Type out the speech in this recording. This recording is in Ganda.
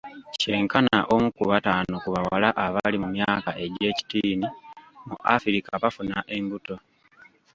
Kyenkana omu ku bataano ku bawala abali mu myaka egy'ekitiini mu Africa bafuna embuto.